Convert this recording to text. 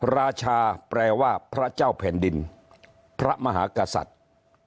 ราชาแปลว่าพระเจ้าแผ่นดินพระมหากษัตริย์